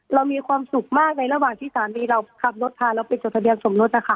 เรามีความสุขมากในระหว่างที่สามีเราขับรถพาเราไปจดทะเบียนสมรสนะคะ